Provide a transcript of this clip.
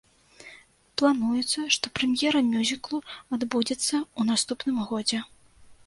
Плануецца, што прэм'ера мюзіклу адбудзецца ў наступным годзе.